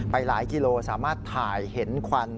ไปหลายกิโลสามารถถ่ายเห็นควัน